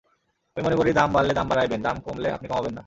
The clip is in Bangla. আমি মনে করি, দাম বাড়লে দাম বাড়াইবেন, দাম কমলে আপনি কমাবেন না।